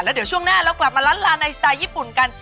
แล้วเดี๋ยวช่วงหน้าเรากลับมาล้านลาในสไตล์ญี่ปุ่นกัน